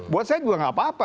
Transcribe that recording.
buat saya juga gak apa apa